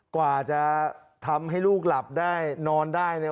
กว่าจะทำให้ลูกหลับได้นอนได้เนี่ย